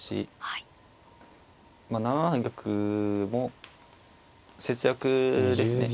まあ７七玉も節約ですね。